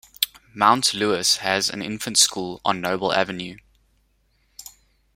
Mount Lewis has an infants school on Noble Avenue.